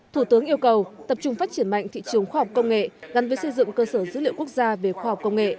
thủ tướng yêu cầu tập trung phát triển mạnh thị trường khoa học công nghệ gắn với xây dựng cơ sở dữ liệu quốc gia về khoa học công nghệ